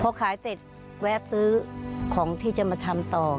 พอขายเสร็จแวะซื้อของที่จะมาทำต่อ